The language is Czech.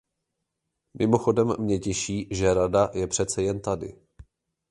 Mimochodem mě těší, že Rada je přece jen tady.